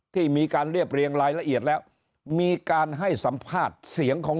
ที่มีการเรียบเรียงรายละเอียดแล้วมีการให้สัมภาษณ์เสียงของ